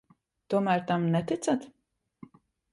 Tomēr tam neticat?